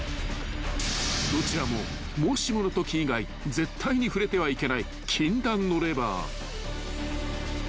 ［どちらももしものとき以外絶対に触れてはいけない］